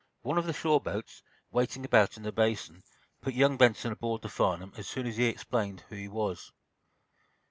One of the shore boats, waiting about in the Basin, put young Benson aboard the "Farnum" as soon as he explained who he was.